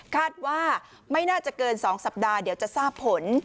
คาดว่าไม่น่าจะเกิน๒สัปดาห์เดี๋ยวจะทราบผล